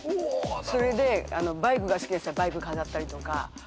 それでバイクが好きな人はバイク飾ったりとか。